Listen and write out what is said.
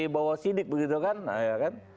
bawa sidik begitu kan ya kan